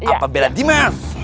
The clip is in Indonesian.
apa bela dimas